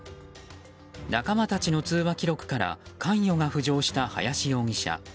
仲間たちの通話記録から関与が浮上した林容疑者。